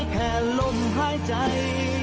แค่ลมหายใจ